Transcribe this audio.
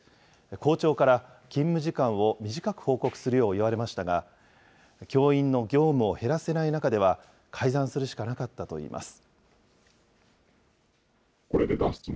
校長から、勤務時間を短く報告するよう言われましたが、教員の業務を減らせない中では、改ざんするしかなかったといいます。